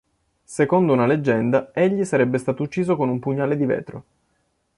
Secondo una leggenda, egli sarebbe stato ucciso con un pugnale di vetro.